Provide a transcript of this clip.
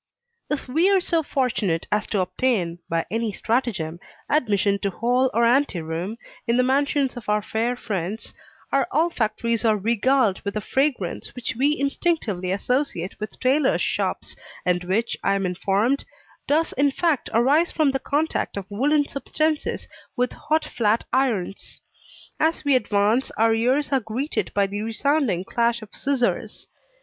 If we are so fortunate as to obtain, by any stratagem, admission to hall or anteroom, in the mansions of our fair friends, our olfactories are regaled with a fragrance which we instinctively associate with tailors' shops, and which, I am informed, does in fact arise from the contact of woollen substances with hot flat irons. As we advance, our ears are greeted by the resounding clash of scissors.